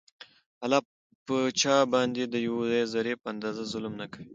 الله په چا باندي د يوې ذري په اندازه ظلم نکوي